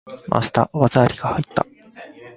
回した！技ありが入った！